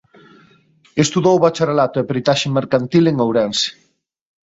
Estudou o bacharelato e Peritaxe Mercantil en Ourense.